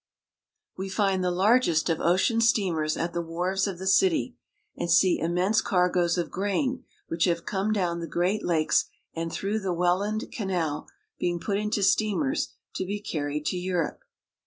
We find the largest of ocean steamers at the wharves of the city, and see immense cargoes of grain, which have come down the Great Lakes and through the Welland Canal, being put into steamers to be carried to Europe.